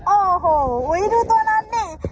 โอ้โหทุกตัวนั้นเนี่ย